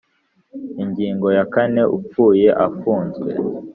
Ingingo ya kane Upfuye afunzwe